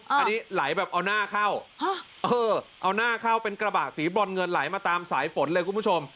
อันนี้ไหลแบบเอาหน้าเข้าเอาหน้าเข้าเป็นกระบะสีบรอนเงินไหลมาตามสายฝนเลยคุณผู้ชม